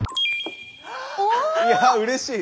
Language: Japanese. いやうれしい！